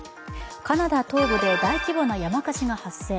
カナダ東部で大規模な山火事が発生。